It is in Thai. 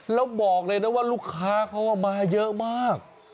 แล้วบอกเลยนะว่าลูกค้าเขามาเยอะมาก